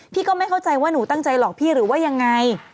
ก็ไม่เข้าใจว่าหนูตั้งใจหลอกพี่หรือว่ายังไง